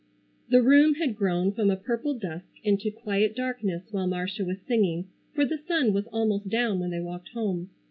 The room had grown from a purple dusk into quiet darkness while Marcia was singing, for the sun was almost down when they walked home.